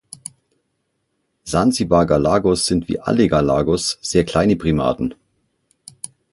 Sansibar-Galagos sind wie alle Galagos sehr kleine Primaten.